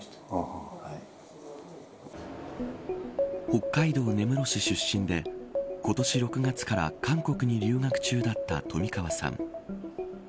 北海道根室市出身で今年６月から韓国に留学中だった冨川さん。